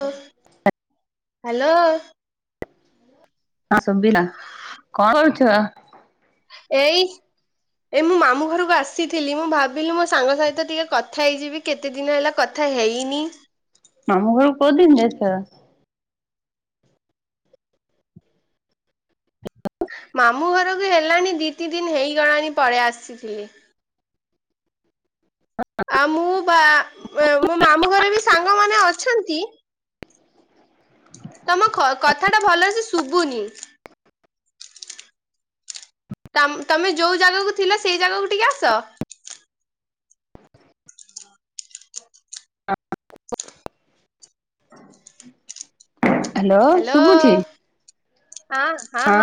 [unintelligible] Hello. ହଁ ସୁବିଲା କଣ କରୁଥିଲ? ଏଇ ଏ ମୁଁ ମାମୁଁ ଘରକୁ ଆସିଥିଲି ମୁଁ ଭାବିଲି ମୋ ସାଙ୍ଗ ସହିତ ଟିକେ କଥା ହେଇଯିବି। କେତେ ଦିନ ହେଲା କଥା ହେଇନି। ମାମୁଁ ଘର କୋଉ ଦିନ୍ ଯାଇଥିଲ? ମାମୁଁ ଘରକୁ ହେଲାଣି ଦି ତି ଦିନ ହେଇଗଲାଣି ପଳେଇ ଆସିଥିଲି। ଆଉ ମୁଁ ବା ୱେ ମୋ ମାମୁଁ ଘରେ ବି ସାଙ୍ଗମାନେ ଅଛନ୍ତି। ତମ ଖ କଥାଟା ଭଲ ସେ ଶୁବୁନି। କାମ ତମେ ଯୋଉ ଜାଗାକୁ ଥିଲ ସେଇ ଜାଗାକୁ ଟିକେ ଆସ। ହ୍ୟାଲୋ ହାଲୋ ଶୁଭୁଛି? ହଁ। ହଁ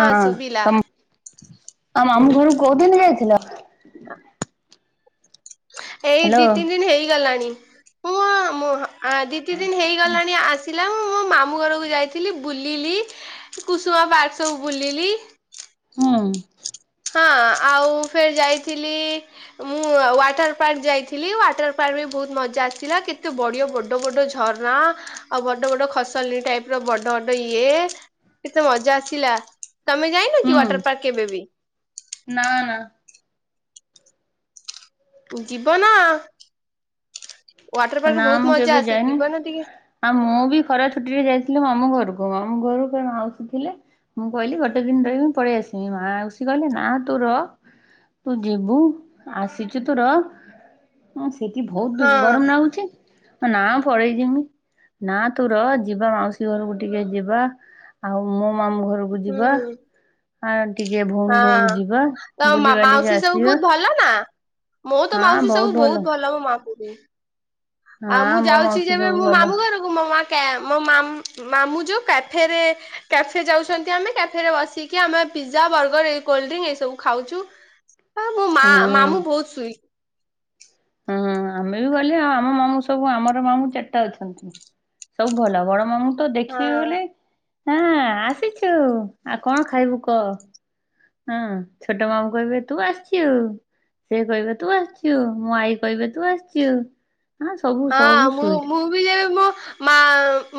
ତମ ତମ ମାମୁଁ ଘରକୁ କୋଉଦିନ ଯାଇଥିଲ? ଏଇ ଦି ହ୍ୟାଲୋ ତିନି ଦିନ ହେଇଗଲାଣି। ମୁଁ ଆ ମୁଁ ହଁ ଆ ଦି ତିନି ଦିନ ହେଇଗଲାଣି ଆସି ଥିଲା ମୁଁ ମୋ ମାମୁଁ ଘରକୁ ଯାଇଥିଲି ବୁଲିଲି କୁସୁମା ପାର୍କ ସବୁ ବୁଲିଲି। ହୁଁ। ହଁ ଆଉ ଫେର ଯାଇଥିଲି। ମୁଁ ୱାଟର ପାର୍କ ଯାଇଥିଲି ୱାଟର ପାର୍କରେ ବୋହୁତ ମଜା ଆସିଲା। ଏତେ ବଡିଆ ବଡ ବଡ ଝରଣା ଆଉ ବଡ ବଡ ଖସଲି ଟାଇପର ବଡ ବଡ ଇଏ। କେତେ ମଜା ଆସିଲା। ତମେ ଯାଇନ କି ହୁଁ ୱାଟର ପାର୍କ କେବେ ବି? ନା ନା। ଯିବନା ୱାଟର ନା ପାର୍କରେ ମୁଁ ବୋହୁତ ମଜା କେବେ ଆସେ ଯାଇନି। ଯିବନା ଟିକେ ଆଉ ମୁଁ ବି ଖରା ଛୁଟିରେ ଯାଇଥିଲି ମାମୁଁ ଘରକୁ ମାମୁଁ ଘରୁ ଫେଣେ ମାଉସୀ ଥିଲେ। ମୁଁ କହିଲି ଗୋଟେ ଦିନ ରହିକି ମୁଁ ପଳେଇ ଆସିମି। ମା ଆଉଷି କହିଲେ ନା ତୁ ରହ। ତୁ ଯିବୁ ଆସିଚୁ ତୁ ରହ। ଉଁ ସେଠି ବୋହୁତ ହଁ ଗରମ ନାଗୁ ଚି ଏ ନାଁ ମୁଁ ପଳେଇ ଯିମୁ। ନା ତୁ ରହ ଯିବା ମାଉସୀ ଘରକୁ ଟିକେ ଯିବା ଆଉ ମୋ ମାମୁ ଘରକୁ ହୁଁ ଯିବା। ଆଁ ଟିକେ ଭଉଣୀ ହଁ ଘରକୁ ଯିବା ତମ ବୁଲିବାଲିକି ମା-ମାଉସୀ ସବୁ ଆସିବା। ବୋହୁତ ଭଲ ନା? ମୋର ତ ହଁ ମାଉସୀ ବହୁତ ସବୁ ବୋହୁତ ଭଲ ମୋ ମା କୁହେ। ହଁ ଆଉ ମୁଁ ମୋ ଯାଉଚି ମାଉସୀ ଯେବେ ସବୁ ମୋ ଭଲ ମାମୁଁ ଘରୁ ମୁଁ ମୋ ମା କ୍ୟାବ୍ ମୋ ମାମୁଁ ଯୋଉ କାଫେରେ କ୍ୟାଫେ ଯାଉଚନ୍ତି। ଆମେ କ୍ୟାଫେରେ ବସି କି ଆମେ ପିଜ୍ଜା, ବର୍ଗର ଏଇ କୋଲଡ୍ରିଙ୍କ୍ ଏଇ ସବୁ ଖାଉଚୁ। ଆ ମୋ ମା ହୁଁ। ମାମୁଁ ବହୁତ ସୁଇ ହୁଁ ଆମେ ବି ଗଲେ ଆଉ ଆମ ମାମୁଁ ସବୁ ଆମର ମାମୁଁ ଚାରିଟା ଅଛନ୍ତି। ସବୁ ଭଲ। ବଡ ମାମୁଁ ତ ହଁ ଦେଖିବି ବୋଲି ହଁ ଆସିଛୁ। ଆଉ କଣ ଖାଇବୁ କ‌ଅ? ହଁ ଛୋଟ ମାମୁଁ କହିବେ ତୁ ଆସିଚୁ। ସେ କହିବ ତୁ ଆସିଚୁ। ମୋ ଆଈ କହିବ ତୁ ଆସିଚୁ। ହଁ ସବୁ ସବୁ ସୁଇଟ। ମୁଁଇ ଯେବେ ମୋ ମା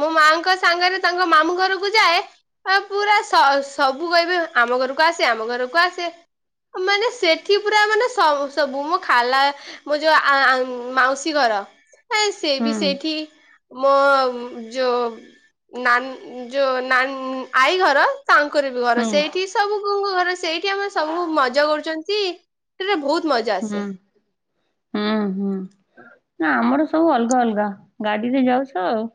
ମୋ ମାଙ୍କ ସାଙ୍ଗରେ ତାଙ୍କ ମାମୁଁ ଘରକୁ ଯାଏ। ଆ ପୁରା ସବୁ କହିବେ ଆମ ଘରକୁ ଆସେ ଆମ ଘରକୁ ଆସେ। ମାନେ ସେଠି ପୁରା ମାନେ ସବୁ ସବୁ ମୁଁ ଖାଲା ମୋ ଯୋଉ ଆ ଆ ମାଉସୀ ଘର ଆ ସେ ହୁଁ ବି ସେଇଠି। ମୋ ଯୋ ନା ଯୋ ନା ଆଈ ଘର? ତାଙ୍କର ବି ଘର ହୁଁ ସେଇଠି ସବୁ କ ଘର ସେଇଠି ଆମେ ସବୁ ମଜା କରୁଛନ୍ତି। ସେରେ ବହୁତ ମଜା ହୁଁ। ଆସେ। ହୁଁ ହୁଁ ନା ଆମର ସବୁ ଅଲଗା ଅଲଗା ଗାଡିରେ ଯାଉଛ ଆଉ।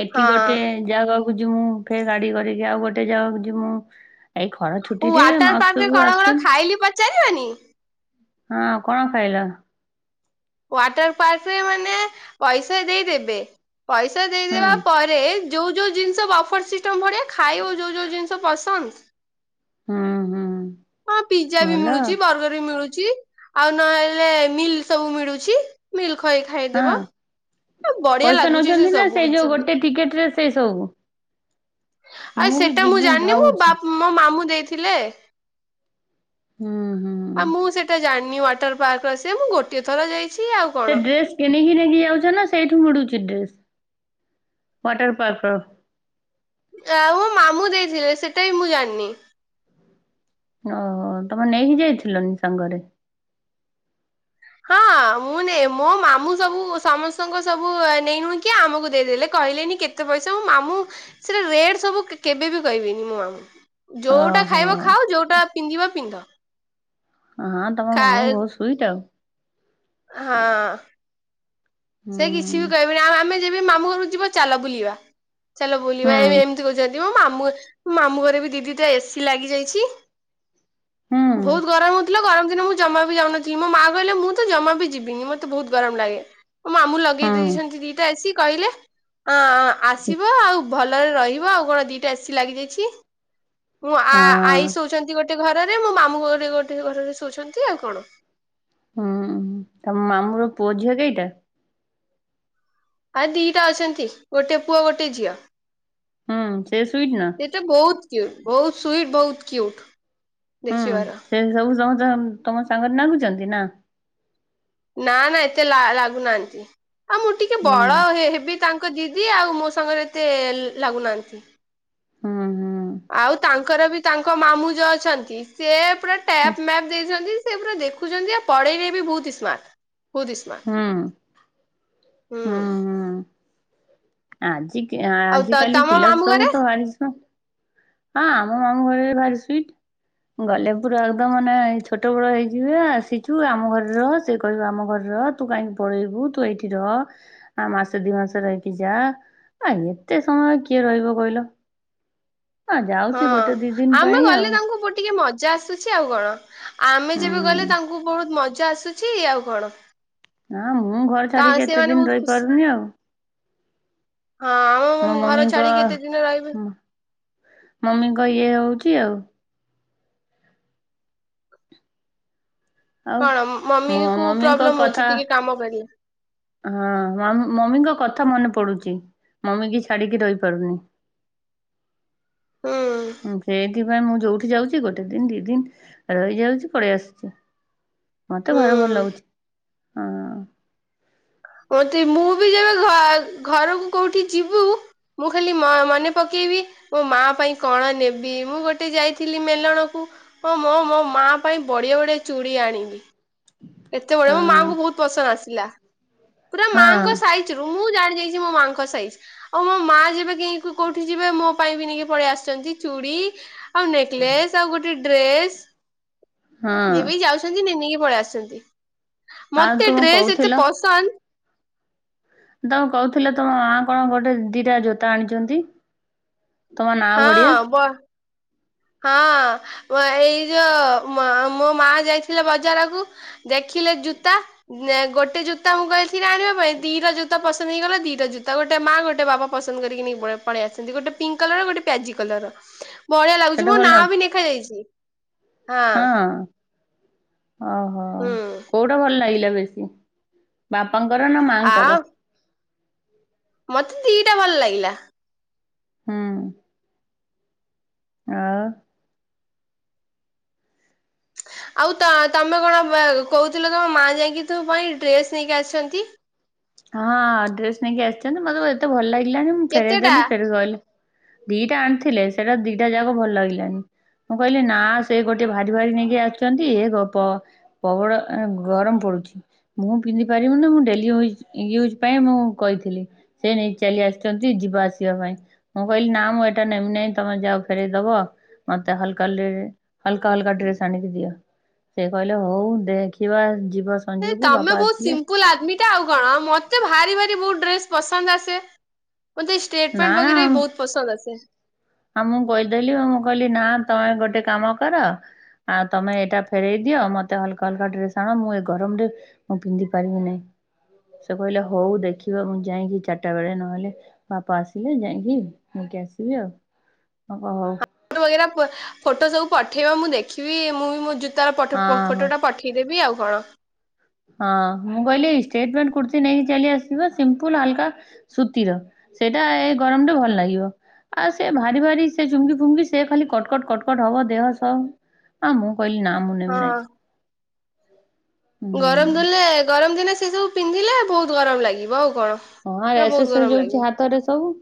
ଏଠି ହଁ ଗୋଟେ ଜାଗାକୁ ଯିମୁ ଫେର ଗାଡି କରିକି ଆଉ ଗୋଟେ ଜାଗାକୁ ଯିମୁ। ଏଇ ଖରା ଛୁଟିରେ ୱାଟର ମାଉସୀ ପାର୍କ ରେ ସବୁ କଣ କଣ ଆସେ। ଖାଇଲି ପଚାରିବନି ହଁ କଣ ଖାଇଲ? ୱାଟର ପାର୍କ ରେ ମାନେ ପଇସା ଦେଇଦେବେ ପଇସା ଦେଇଦବା ହୁଁ ପରେ ରେ ଯୋଉ ଯୋଉ ଜିନଷ ବଫର ସିଷ୍ଟମ ପଡେ ଖାଇବ ଯୋଉ ଯୋଉ ଜିନିଷ ପସନ୍ଦ। ହଁ ହଁ। ହଁ ପିଜା ବି ମିଳୁଛି ବର୍ଗର ବି ମିଳୁଛି ଆଉ ନହେଲେ ମିଲ୍ ସବୁ ମିଳୁଛି। ମିଲ୍ ଖରି ଖାଇଦବ ହଁ। ଏ ବଢିଆ ଲାଗୁଛି ସେ ସବୁ ଟିକେଟରେ ସେଇ ସବୁ। ଆଉ ବି ସେଇଟା ମୁଁ ଯିବି ଜାଣନି ମୁଁ ବା ଭାବୁଛି। ମୋ ମାମୁଁ ଦେଇଥିଲେ। ହୁଁ ହୁଁ। ଆଉ ମୁଁ ସେଇଟା ଜାଣିନି ୱାଟର ପାର୍କର ସେ ମୁଁ ଗୋଟିଏ ଥର ଯାଇଛି ଆଉ କଣ। କେ ନେଇିକି ନେଇକି ଯାଉଛ ନା ସେଇଠୁ ମିଡୁଛି ଡ୍ରେସ୍ ୱାଟର ପାର୍କ ର। ଆ ମୋ ମାମୁଁ ଦେଇଥିଲେ ସେଇଟା ବି ମୁଁ ଜାଣିନି। ଓହୋ ତମେ ନେଇକି ଯାଇଥିଲନି ସାଙ୍ଗରେ? ହଁ। ଆଉ ମୁଁ ନିଏ ମୋ ମାମୁଁ ସବୁ ସମସ୍ତଙ୍କ ସବୁ ନେଇନୁଇକି ଆମକୁ ଦେଇଦେଲେ କହିଲେନି କେତେ କେତେ ପଇସା ମୋ ମାମୁଁ ସେଟା ରେଟ ସବୁ କେବେବି କହିବିନି ମୋ ମାମୁ। ଯୋଉଟା ଓହୋ ଖାଇବ ଖାଅ ଯୋଉଟା ପିନ୍ଧିବ ପିନ୍ଧ। ହଁ ତମ ମାମୁଁ ଖାଏ ବହୁ ସୁଇଟ ଆଉ। ହଁ। ସେ କିଛି ବି କହିବେନି ଆ ଆମେ ଯେବେ ମାମୁଁ ଘରକୁ ଯିବା ଚାଲ ବୁଲିବା, ଚାଲ ବୁଲିବା ହୁଁ ଏ ମ ତି କରୁଛନ୍ତିଁ, ମୋ ମାମୁଁ ମାମୁଁ ଘରେ ବି ଦିଦିଟା ଏସି ଲାଗିଯାଇଛି। ହୁଁ ହୁଁ ବହୁତ ଗରମ ଥିଲା ଗରମ ଦିନ ମୁଁ ଜମା ବି ଯାଉନଥିଲି ମୋ ମା କହିଲା ମୁଁ ତ ଜମା ବି ଯିବିନି ମୋତେ ବହୁତ ଗରମ ଲାଗେ। ମୋ ମାମୁଁ ଲଗେଇ ହୁଁ ଦେଇଛନ୍ତି ଦିଟା ଏସି କହିଲେ ଆ ଆସିବ ଆଉ ଭଲରେ ରହିବ ଆଉ କଣ ଗୋଟେ ଦିଟା ଏସିି ଲାଗି ଯାଇଛି, ମୁଁ ଆ ହଁ ଆଇ ଶୋଉଛନ୍ତି ଗୋଟେ ଗୋଟେ ଘରରେ ମୋ ମାମୁଁ ଘରେ ଗୋଟେ ଘରରେ ଶୋଉଛନ୍ତି ଆଉ କଣ। ହୁଁ ତମ ମାମୁଁର ପୁଅ ଝିଅ କେଇଟା? ଆଉ ଦିଟା ଅଛନ୍ତି ଗୋଟେ ପୁଅ ଗୋଟେ ଝିଅ। ହୁଁ ସେ ସୁଇଟ ନା? ସେତ ବହୁତ କ୍ୟୁଟ ବହୁତ ସୁଇଟ୍ ବହୁତ କ୍ୟୁଟ୍। ହୁଁ ସେ ସବୁ ସମ ତମ ସାଙ୍ଗରେ ନାଗୁଛନ୍ତି ନା? ନା ନା ଏତେ ଲାଗୁନାହାନ୍ତି ଆଉ ମୁଁ ଟିକେ ହୁଁ ବଳ ହେବି ତାଙ୍କ ତାଙ୍କ ଦିଦି ଆଉ ମୋ ସାଙ୍ଗରେ ଏତେ ଲାଗୁନାହାନ୍ତି। ହଁ ହଁ। ଆଉ ତାଙ୍କର ବି ତାଙ୍କ ମାମୁଁ ଯୋଉ ଅଛନ୍ତି ସେ ପୁରା ହୁଁ ଟ୍ୟାପ୍ ମ୍ୟାପ୍ ଦେଇଛନ୍ତି। ସେ ପୁରା ଦେଖୁଛନ୍ତି ଯେ ପଢେଇଲେ ବି ବହୁତ ସ୍ମାର୍ଟ। ବହୁତ୍ ହି ସ୍ମାର୍ଟ ହୁଁ ହୁଁ। ଆଜି କି ଆଉ ଆଜିକାଲି ତମ ପିଲା ମାମୁଁ ଘରେ ସବୁ ତ [unintelligible] ହଁ ଆମ ମାମୁଁ ଘରେ ଭାରି ସ୍ଵିଟ। ଗଲେ ପୁରା ଏକଦମ ମାନେ ଛୋଟ ବେଳ ହେଇଯିବ ଆସିଛୁ ଆମ ଘରେ ରହ ସେ କହିବ ଆମ ଘରେ ରହ। ତୁ କାହିଁକି ପଳେଇବୁ ତୁ ଏଇଠି ରହ। ଆ ମାସେ ଦି ମାସ ରହିକି ଯାଆ ଆ ଏତେ ସମୟ କିଏ ରହିବ କହିଲ। ହଁ ଯାଉଛି ଗୋଟେ ଦି ଦିନ ଆମେ ପାଇଁ ଗଲେ ଆଉ। ତାଙ୍କୁ ବ ଟିକେ ମ ଜା ଆସୁଛି ଆଉ କଣ ଆମେ ହୁଁ ଯେବେ ଗଲେ ତାଙ୍କୁ ବହୁତ ମଜା ଆସୁଛି ଆଉ କଣ। ହଁ ମୁଁ ଘର ତ ଛାଡିକି ଏତେ ସେମାନେ ଦିନ ବହୁତ ଖୁସି ରହିପାରୁନି ଆଉ। ହଁ ଆମ ମମ ମୋ ଘର ଛାଡି ମମିଙ୍କ କେତେ ଦିନ ରହିବେ ହଁ। ମମିଙ୍କ ଇଏ ହଉଛି ଆଉ। ଆଉ କଣ ମମି ମୋ କୁ ମମିଙ୍କ ପ୍ରୋବ୍ଲେମ ହଉଛି କଥା। ଟିକେ କାମ କରିବା ହଁ ମମ ମମିଙ୍କ କଥା ମନେ ପଡୁଛି ମମି କି ଛାଡିକି ରହିପାରୁନି। ହୁଁ। ଉଁ ସେଇଥିପାଇଁ ମୁଁ ଯୋଉଠି ଯାଉଛି ଗୋଟେ ଦିନ ଦି ଦିନ। ରହିଯାଉଛି ପଳେଇ ଆସୁଛି ମତେ ହୁଁ ଘର ଭଲ ଲାଗୁଛି ହଁ। ମତେ ମୁଁ ବି ଯେବେ ଘ-ଘରକୁ କୋଉଠି ଯିବୁ। ମୁଁ ଖାଲି ମ ମନେ ପକେଇବି। ମୋ ମା ପାଇଁ କଣ ନେବି ମୁଁ ଗୋଟେ ଯାଇଥିଲି ମେଲଣକୁ। ହଁ ମୋ ମୋ ମା ପାଇଁ ବଢିଆ ବଢିଆ ଚୁଡ଼ି ଆଣିବି। ଏତେବଳେ ମୋ ହଁ ମାଆଙ୍କୁ ବହୁତ ପସନ୍ଦ ଆସିଲା ପୁରା ହଁ ମାଙ୍କ ସାଇ ମୁଁ ଜାଣି ଯାଇଛି ମୋ ମାଙ୍କ ସାଇଜ। ଆଉ ମୋ ମା ଯେବେ କିଁ କି କୋଉଠି ଯିବେ ମୋ ପାଇଁ ବି ନେଇକି ପଳେଇ ଆସିଛନ୍ତି ଚୁଡ଼ି। ଆଉ ନେକଲେସ ଆଉ ଗୋଟେ ଡ୍ରେସ ହଁ ଯେବେ ଯାଉଛନ୍ତି ନେ ନେଇକି ପଳେଇ ଆସୁଛନ୍ତି। ଆଉ ମତେ ତୁମେ ଡ୍ରେସ୍ ଏତେ କହୁଥିଲ ପସନ୍ଦ। ତମ କହୁଥିଲେ ତମ ମା କଣ ଗୋଟେ ଦିଟା ଜୋତା ଆଣିଛନ୍ତି। ତମ ନାଁ ବଢିଆ। ହଁ ବ ହଁ [unintelligible] ଏଇ ଯୋଉ ମୋ ମୋ ମା ଯାଇଥିଲେ ବଜାରକୁ। ଦେଖିଲେ ଜୁତା। ନା ଗୋଟେ ଜୁତା ମୁଁ କହିଥିଲି ଆଣିବା ପାଇଁ ଦିଟା ଜୁତା ପସନ୍ଦ ହେଇଗଲା ଦିଟା ଜୁତା ଗୋଟେ ମା ଗୋଟେ ବାପା। ପସନ୍ଦ କରିକି ନେଇକି ପଳେ ପଳେଇ ଆସିଚନ୍ତି ଗୋଟେ ପିଙ୍କ୍ କଲର ଗୋଟେ ପ୍ୟାଜି କଲରର ବଢ଼ିଆ ଲା ସେଟା [unintelligible] ଭଲ ନାଁ ଲାଗୁଛି ବି ନେଖା ଯାଇଛି। ହଁ। ଓହୋ ହୁଁ କୋଉଟା ଭଲ ଲାଗିଲା ବେଶୀ ବାପାଙ୍କର ନା ଆଉ ମାଆଙ୍କର? ମତେ ଦିଟା ଭଲ ଲାଗିଲା। ହୁଁ। ଆଉ। ଆଉ ତ ତମେ କଣ ବ କହୁଥିଲ ତମ ମା ଯାଇକି ତୋ ପାଇଁ ଡ୍ରେସ ନେଇକି ଆସିଛନ୍ତି। ହଁ ଡ୍ରେସ ନେଇକି ଆସିଛନ୍ତି। ମତେ [unintelligible] ଏତେ ଭଲ ଲାଗିଲାନି ମୁଁ ଫେରେଇ କେତେଟା ଦେଲି ଫେରେ ଗଲେ। ଦିଟା ଆଣିଥିଲେ ସେଟା ଦିଟା ଯାକ ଭଲ ଲାଗିଲାନି। ମୁଁ କହିଲି ନା ସେ ଗୋଟେ ଭାରି ଭାରି ନେଇକି ଆସିଛନ୍ତି ଏ ଗପ। ପ୍ରବଳ ଏ ଗରମ ପଡୁଛି ମୁଁ ପିନ୍ଧି ପାରିବିନି ମୁଁ ଡେଲି ଉଇଜ୍। ୟୁଜ ପାଇଁ ମୁଁ କହିଥିଲି ସେ ନେଇକି ଚାଲି ଆସିଛନ୍ତି ଯିବା ଆସିବା ପାଇଁ। ମୁଁ କହିଲି ନା ମୁଁ ଏଇଟା ନେମି ନାଇ ତମେ ଯାଓ ଫେରେଇଦବ। ମତେ ହଲକା ଲେ ହାଲ୍କା ହାଲ୍କା ଡ୍ରେସ ଆଣିକି ଦିଅ। ସେ କହିଲେ ହଉ ଦେଖିବା ଯିବ ହେ ସଞ୍ଜକୁ ତମେ ବାପା ବହୁତ ଆସିଲେ ସିମ୍ପଲ ଆରମି। ମତେ ଆଉ କଣ ମତେ ଭାରି ଭାରି ବହୁତ ଡ୍ରେସ ପସନ୍ଦ ଆସେ ମତେ ଏ ଷ୍ଟେଟ ନା ପେଣ୍ଟ ବଗେରା ନା ବହୁତ୍। ପସନ୍ଦ ଆସେ। ହଁ ମୁଁ କହିଦେଲି ମୁଁ କଇଲି ନା ତମେ ଗୋଟେ କାମ କର। ଆଉ ତମେ ଏଇଟା ଫେରଇ ଦିଅ ମତେ ହାଲକା ହାଲକା ଡ୍ରେସ୍ ଆଣ ମୁଁ ଏ ଗରମରେ ମୁଁ ପିନ୍ଧି ପାରିବି ନାହିଁ ସେ କହିଲେ ହଉ ଦେଖିବା ମୁଁ ଯାଇକି ଚାରିଟା ବେଳେ ନହେଲେ ବାପା ଆସିଲେ ଯାଇକି ନେଇକି ଆସିବି ଆଉ। ହଉ। ଫଟୋ ବଗେରା ପ ଫଟୋ ସବୁ ପଠେଇବ ମୁଁ ଦେଖିବି ମୁଁ ବି ମୋ ଜୋତାର ପଟ ହଁ ହଁ ଫଟଟା ପଠେ ଠେ ଦେବି ଆଉ କଣ। ହଁ ମୁଁ କହିଲି ଷ୍ଟେଟ ପେଣ୍ଟ କୁର୍ତ୍ତୀ ନେଇକି ଚାଲି ଆସିବ ସିମ୍ପଲ୍ ହାଲ୍କା। ସୁତିର ସେଇଟା ଏ ଗରମରେ ଭଲ ଲାଗିବ। ଆଉ ସେ ଭାରି ଭାରି ସେ ଚୁମକି ଫୁମକି ସେ ଖାଲି କଟକଟ କଟକଟ ହବ ଦେହ ସବ। ଆ ମୁଁ କଇଲି ନା ମୁଁ ନେମି ନେଇ। ହଁ ଗରମ ହୁଁ। ଦିଲେ ଗରମ ଦିନେ ସେ ସବୁ ପିନ୍ଧିଲେ ବହୁତ ଗରମ ଲାଗିବ ଆଉ କଣ। ହଁ ଏ ପୁରା ଶେ ବହୁତ ସେ ଗରମ ଲାଗିବ। ଦଉଚି ହାତରେ ସବୁ।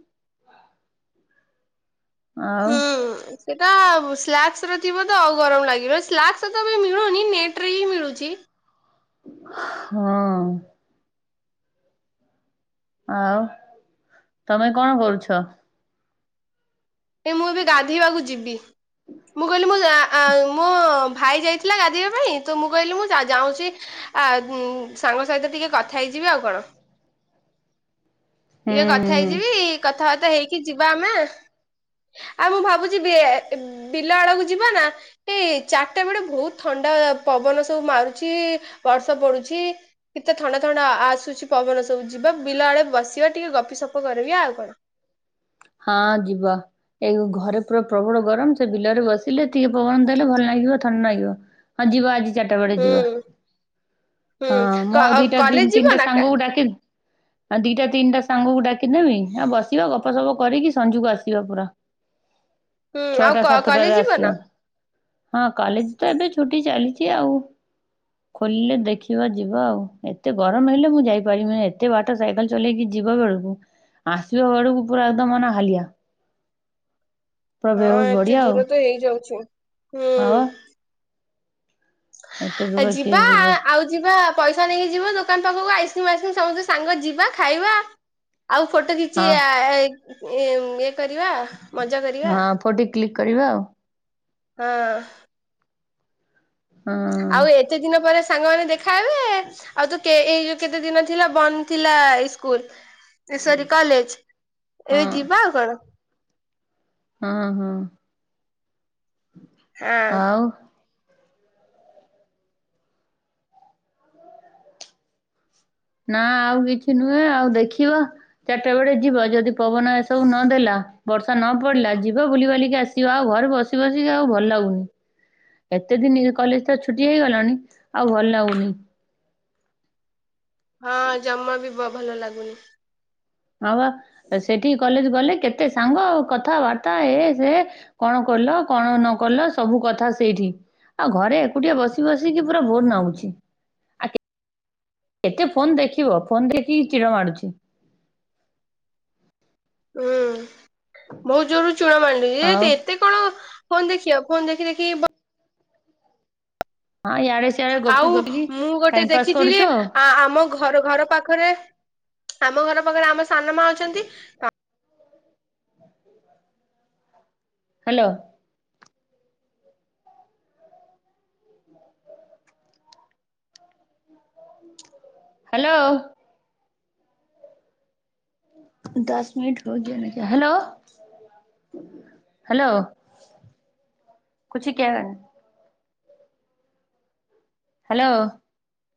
ଆଉ ହୁଁ। ସେଟା ସ୍ଲାକ୍ସ ର ଥିବ ତ ଆଉ ଗରମ ଲାଗିବ ସ୍ଲାକ୍ସ ତ ଏବେ ମିଳୁନି ନେଟ ରେ ହିଁ ମିଳୁଛି। ହଁ। ଆଉ ତମେ କଣ କରୁଛ? ଏ ମୁଁ ଏବେ ଗାଧୋଇବାକୁ ଯିବି। ମୁଁ କହିଲି ମୁଁ ଆଁ ଆଁ ମୋ ଭାଇ ଯାଇଥିଲା ଗାଧୋଇବା ପାଇଁ ତ ମୁଁ କହିଲି ମୁଁ ଯା ଯାଉଛି। ଆ ସାଙ୍ଗ ସହିତ ଟିକେ କଥା ହେଇଯିବି ଆଉ କଣ। ଟିକେ କଥା ହୁଁ ହେଇଯିବି କଥାବାର୍ତ୍ତା ହେଇକି ଯିବା ଆମେ। ଆଉ ମୁଁ ଭାବୁଛି ବେ ବିଲ ଆଡକୁ ଯିବ ନା? ଏଇ ଚାରିଟା ବେଳେ ବହୁତ ଥଣ୍ଡା ପବନ ସବୁ ମାରୁଛି ବର୍ଷା ପଡୁଛି। କେତେ ଥଣ୍ଡା ଥଣ୍ଡା ଆ ଆସୁଛି ପବନ ସବୁ ଯିବା ବିଲ ଆଡେ ବସିବା ଟିକେ ଗପି ସପ କରିବି ଆଉ କଣ। ହଁ ଯିବ। ଏଇ ଘରେ ପୁରା ପ୍ରବଳ ଗରମ ସେ ବିଲରେ ଆଡ଼େ ବସିଲେ ଟିକେ ପବନ ଦେଲେ ଭଲ ଲାଗିବ ଥଣ୍ଡା ନାଗିବ। ହଁ ଯିବ ଆଜି ଚାରିଟା ବେଳେ ହୁଁ ଯିବ। ହୁଁ ହଁ ମୁଁ ଆଉ ଦିଟା ତି କଲେଜ ଯିବ ତିନିଟା ନା ସାଙ୍ଗକୁ ଡାକିନି। ଆଉ ଦିଟା ତିନିଟା ସାଙ୍ଗକୁ ଡାକିଦେମୀ ଆଉ ବସିବା ଗପ ସପ। କରିକି ସଞ୍ଜୁ କୁ ଆସିବା ପୁରା ହୁଁ ଛଅଟା ଆଉ କଲେଜ ସାତଟାରେ ଯିବ ନା ଆସିବା। ହଁ କଲେଜ ତ ଏବେ ଛୁଟି ଚାଲିଛି ଆଉ। ଖୋଲିଲେ ଦେଖିବା ଯିବା ଆଉ ଏତେ ଗରମ ହେଲେ ମୁଁ ଯାଇପାରିବିନାଇ ଏତେ ବା ଟ ସାଇକେଲ ଚଲେଇକି ଯିବା ବେଳକୁ ଆସିବା ବେଳକୁ ପୁରା ତ ମ ନ ହାଲିିଆ। ହଁ ଏତେ ଦୂର ତ ହେଇଯାଉଛି। ଆ। ହୁଁ ଆ ଦୂର କିଏ ଯିବା ଯିବ ଆଉ। ଯିବା ପଇସା ନେଇକି ଯିବ ଦୋକାନ ପାଖକୁ ଆଇସ୍କ୍ରିମ ଆଇସ୍କ୍ରିମ ସମସ୍ତେ ସାଙ୍ଗ ଯିବା ଖାଇବା ଆ। ଆଉ ଫଟୋ କିଛି ହଁ ଆ ଏ ଇ ଇଏ କରିବା ମଜା କରିବା। କୋଉଠି କ୍ଲିକ୍ କରିବା ଆଉ। ହଁ। ହଁ। ଆଉ ଏତେ ଦିନ ପରେ ସାଙ୍ଗମାନେ ଦେଖା ହେବେ। ଆଉ ତ କେ ଏଇ ଯୋଉ କେତେ ଦିନ ଥିଲା ବନ୍ଦ ଥିଲା ଏଇ ସ୍କୁଲ। ତିଶୋରି କଲେଜ ହଁ ଏବେ ଯିବା ଆଉ କଣ। ହଁ ହଁ। ହଁ। ଆଉ ନା ଆଉ କିଛି ନୁହେଁ ଆଉ ଦେଖିବା। ଚାରିଟା ବେଳେ ଯିବ ଯଦି ପବନ ଏସବୁ ନଦେଲା ବର୍ଷା ନ ପଡିଲା ଯିବ ବୁଲି ବାଲିକି ଆସି ଯିବା ଘରେ ବସି ବସିକି ଆଉ ଭଲ ଲାଗୁନି। ଏତେ ଦିନି କଲେଜଟା ଛୁଟି ହେଇଗଲାଣି ଆଉ ଭଲ ଲାଗୁନି। ହଁ ଜମା ବି ବ ଭଲ ଲାଗୁନି। ହଁ ପା ସେଠିକି କଲେଜ ଗଲେ କେତେ ସାଙ୍ଗ କଥାବାର୍ତ୍ତା ଏ ସେ। କଣ କଲ କଣ ନ କଲ ସବୁ କଥା ସେଇଠି। ଆଉ ଘରେ ଏକୁଟିଆ ବସି ବସିକି ପୁରା ବୋର ନାଗୁଛି। ଆ କେତେ ଫୋନ୍ ଦେଖିବ ଫୋନ ଦେଖିକି ଚିଡ ମାଡୁଛି। ହୁଁ। ବହୁତ ଜୋରରୁ ଚୂଳ ମାରିନି ଆଉ ଯେ ଏତେ କଣ ଫୋନ୍ ଦେଖିବ ଫୋନ ଦେଖି ଦେଖି ବ ହଁ ୟାଡେ ଆଉ ମୁଁ ଗୋଟେ ଦେଖିଥିଲି ଆଉ ଆ ଆମ ଘ ଘର ଘର ପାଖରେ ଆମ ଘର ପାଖରେ ଆମ ସାନ ମା ଅଛନ୍ତି ତ ହ୍ୟାଲୋ। ହାଲୋ। ଦଶ ମିନିଟ ହଉ ଯୁଆଡେ ଯା ହ୍ୟାଲୋ। Hello [unintelligible] hello.